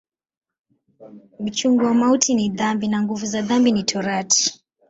Uchungu wa mauti ni dhambi, na nguvu za dhambi ni Torati.